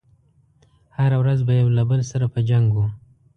هره ورځ به يو له بل سره په جنګ و.